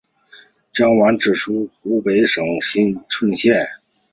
汪潮涌出生于湖北省蕲春县。